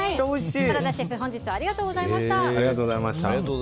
原田シェフ、本日はありがとうございました。